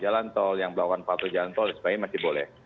jalan tol yang melakukan faktor jalan tol sebagai masih boleh